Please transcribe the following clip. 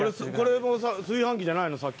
これも炊飯器じゃないの？